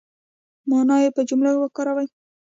مانا یې په جملو کې وګورئ